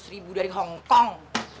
tujuh ratus ribu dari hongkong